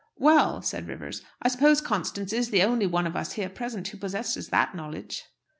"Well," said Rivers, "I suppose Constance is the only one of us here present who possesses that knowledge."